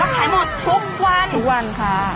ขายหมดทุกวันทุกวันค่ะ